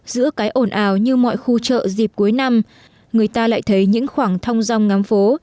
giữa cái ổn ào như mọi khu chợ dịp cuối năm người ta lại thấy những khoảng thong rong ngắm phố